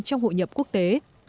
trong hội nhập quốc tế